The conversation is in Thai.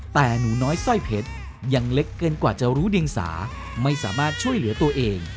แต่หนูน้อยสร้อยเพชรยังเล็กเกินกว่าจะรู้เดียงสาไม่สามารถช่วยเหลือตัวเอง